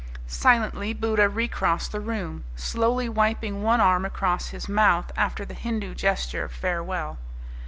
Silently Buddha recrossed the room, slowly wiping one arm across his mouth after the Hindu gesture of farewell.